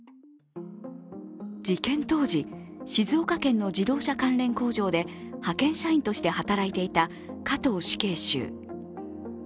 事件当時、静岡県の自動車関連工場で派遣社員として働いていた加藤死刑囚。